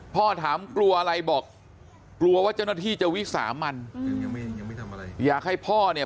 พ่อถามกลัวอะไรบอกกลัวว่าเจ้าหน้าที่จะวิสามันอยากให้พ่อเนี่ย